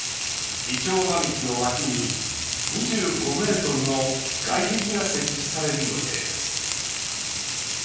イチョウ並木の脇に、２５ｍの外壁が設置される予定です。